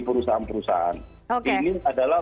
perusahaan perusahaan ini adalah